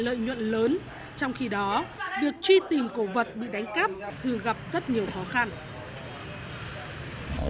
lợi nhuận lớn trong khi đó việc truy tìm cổ vật bị đánh cắp thường gặp rất nhiều khó khăn